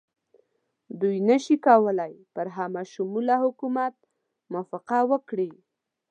دوی نه شي کولای پر همه شموله حکومت موافقه وکړي.